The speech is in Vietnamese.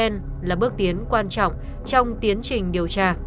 việc thu giữ được dấu vết adn là bước tiến quan trọng trong tiến trình điều tra